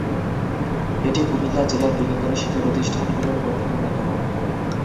এটি কুমিল্লা জেলার বৃহত্তর শিক্ষা প্রতিষ্ঠানগুলির মধ্যে অন্যতম।